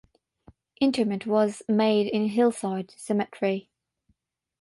Interment was made in Hillside Cemetery.